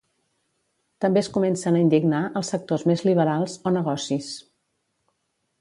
També es comencen a indignar els sectors més liberals o "negocis".